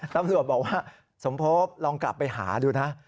ตำรวจบอกว่าสมภพลองกลับไปหาดูนะ